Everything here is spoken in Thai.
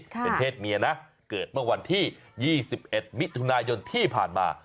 เป็นเพศเมียนะเกิดเมื่อวันที่๒๑มิถุนายนที่ผ่านมา